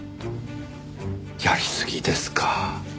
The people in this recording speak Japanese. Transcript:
やりすぎですか。